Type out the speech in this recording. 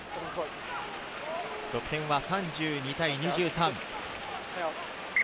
得点は３２対２３。